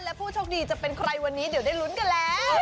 และผู้โชคดีจะเป็นใครวันนี้เดี๋ยวได้ลุ้นกันแล้ว